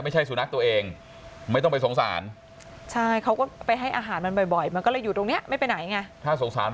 ใช่ไหมแต่ถ้าไม่ใช่สุนัขตัวเองไม่ต้องไปสงสาร